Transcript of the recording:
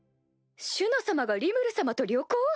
シュナ様がリムル様と旅行？